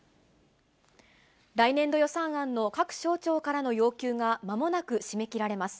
来年度予算案の各省庁からの要求がまもなく締め切られます。